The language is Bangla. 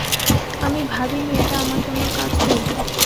আমি ভাবিনি এটা আমার জন্য কাজ করবে।